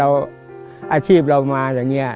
อาชีพเรามาจากนี่